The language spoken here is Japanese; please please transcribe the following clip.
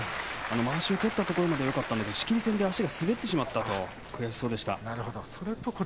まわし取ったときはよかったんだけれども仕切り線で足が滑ってしまったと悔しそうでした。